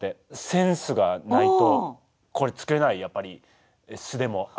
センスがないとこれつくれないやっぱり巣でもあるし。